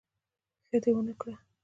ښه دي ونکړه